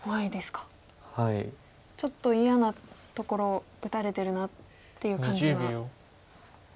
ちょっと嫌なところを打たれてるなっていう感じはあるんですね。